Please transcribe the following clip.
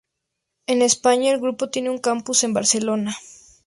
En España, el grupo tiene un campus en Barcelona.